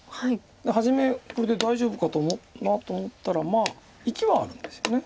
初めこれで大丈夫かなと思ったらまあ生きはあるんですよね。